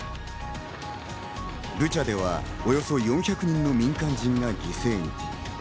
ブチャではおよそ４００人の民間人が犠牲に。